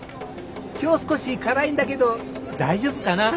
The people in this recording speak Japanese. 今日少し辛いんだけど大丈夫かな？